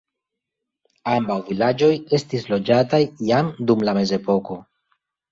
Ambaŭ vilaĝoj estis loĝataj jam dum la mezepoko.